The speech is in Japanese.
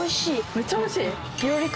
めっちゃ美味しい？